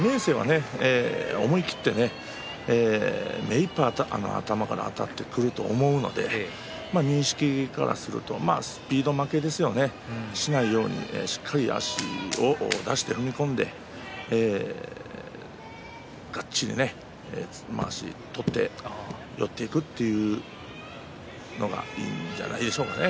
明生は思い切ってね突っ張り頭からあたってくると思うので明生からするとスピード負けしないようにしっかり足を出して踏み込んでばっちりまわしを取って寄っていくのがいいんじゃないでしょうかね。